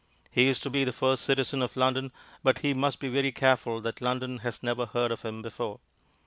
He is to be the first citizen of London, but he must be very careful that London has never heard of him before.